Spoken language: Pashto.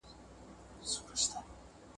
فکري وضاحت په څېړنه کي څرګندېږي.